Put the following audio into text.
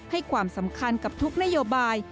ให้ความสำคัญกับทุกนโยบาย